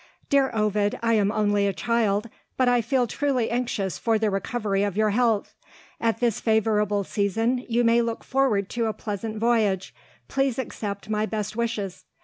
"Dear Ovid, I am only a child; but I feel truly anxious for the recovery of your health. At this favourable season you may look forward to a pleasant voyage. Please accept my best wishes."